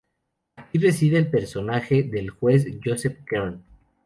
Aquí reside el personaje del juez Joseph Kern.